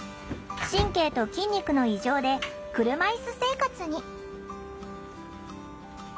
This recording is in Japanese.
神経と筋肉の異常で車いす生活に。